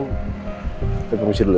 kita berkongsi dulu ya